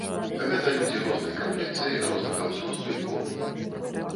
Гэта людзі рознай камплекцыі, рознага ўзросту і полу.